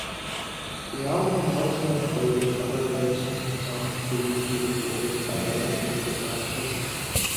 The album also included cover versions of songs previously recorded by other music artists.